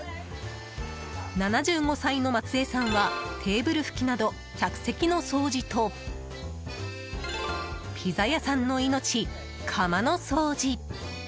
７５歳の松江さんはテーブル拭きなど客席の掃除とピザ屋さんの命、窯の掃除。